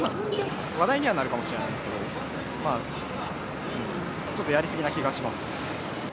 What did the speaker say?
話題にはなるかもしれないですけど、ちょっとやり過ぎな気がします。